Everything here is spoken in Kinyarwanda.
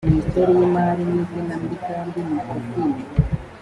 minisiteri y imali n igenambigambi minecofin